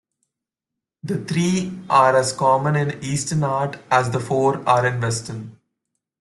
The three are as common in Eastern art as the four are in Western.